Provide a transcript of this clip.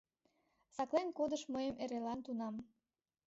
Саклен кодыш мыйым эрелан тунам.